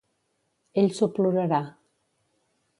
Ell s'ho plorarà.